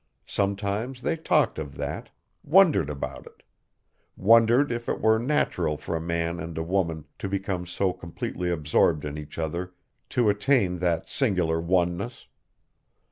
Sometimes they talked of that, wondered about it, wondered if it were natural for a man and a woman to become so completely absorbed in each other, to attain that singular oneness.